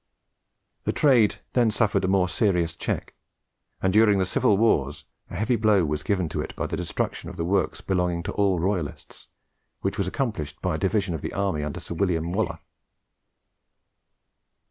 The trade then suffered a more serious check; and during the civil wars, a heavy blow was given to it by the destruction of the works belonging to all royalists, which was accomplished by a division of the army under Sir William Waller.